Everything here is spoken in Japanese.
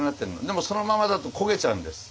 でもそのままだと焦げちゃうんです。